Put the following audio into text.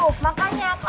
woi berhenti ya lo